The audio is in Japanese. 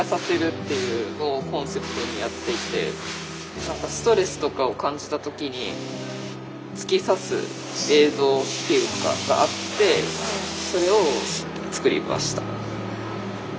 何かストレスとかを感じた時に突き刺す映像っていうのがあってそれを作りました。